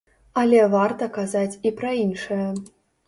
Але варта казаць і пра іншае.